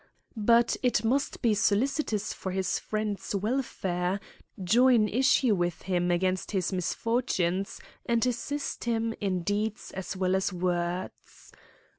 But it must be solicitous for his friend's w^elfare, join issue with him against his misfortunes, and assist him in deeds as well as words.